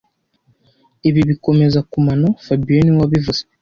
Ibi bikomeza kumano fabien niwe wabivuze